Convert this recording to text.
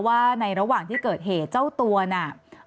ว่าในระหว่างที่เกิดเหตุเจ้าตัวน่ะ